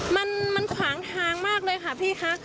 มันขวางทางมากเลยค่ะพี่คะ